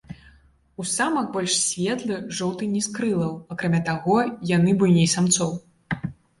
У самак больш светлы, жоўты ніз крылаў, акрамя таго, яны буйней самцоў.